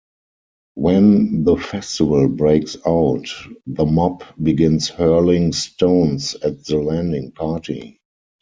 When the "Festival" breaks out, the mob begins hurling stones at the landing party.